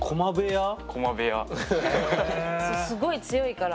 そうすごい強いから。